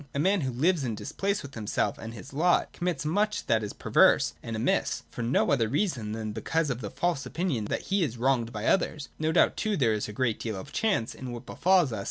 A man who lives in dispeace with himself and his lot, commits much that is perverse and amiss, for no other reason than because of the false opinion that he is wronged by others. No doubt too there is a great deal of chance in what befalls us.